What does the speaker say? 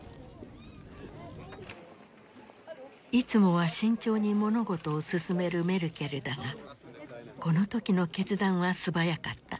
いつもは慎重に物事を進めるメルケルだがこの時の決断は素早かった。